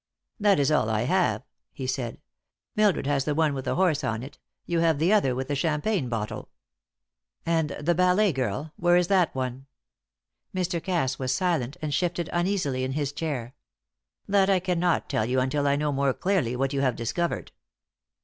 "That is all I have," he said. "Mildred has the one with the horse on it; you have the other with the champagne bottle." "And the ballet girl? Where is that one?" Mr. Cass was silent and shifted uneasily in his chair. "That I cannot tell you until I know more clearly what you have discovered."